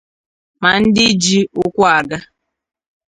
ma ndị ji ụkwụ aga